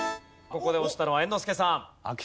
ここで押したのは猿之助さん。